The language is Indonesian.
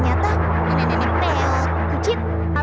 saya mau lihat juara di masjid ini